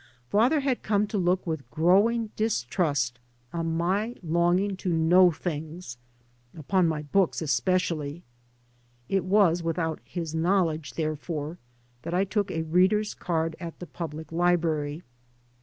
Father had come to look with growing dis trust on my longing to know things, upon my books especially. It was without his knowl edge therefore that I took a reader's card at the public library.